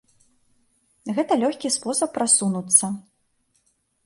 Гэта лёгкі спосаб прасунуцца.